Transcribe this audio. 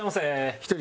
１人。